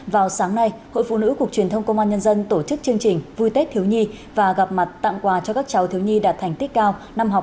vào sáng nay hội phụ nữ cục truyền thông công an nhân dân tổ chức chương trình vui tết thiếu nhi và gặp mặt tặng quà cho các cháu thiếu nhi đạt thành tích cao năm học hai nghìn hai mươi hai hai nghìn hai mươi ba